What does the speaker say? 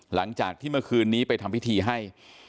หลังจากที่เมื่อคืนนี้ไปทำพิธีให้